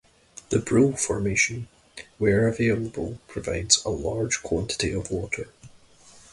The Brule Formation, where available provides a large quantity of water.